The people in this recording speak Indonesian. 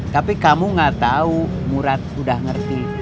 tapi kamu gak tahu murad udah ngerti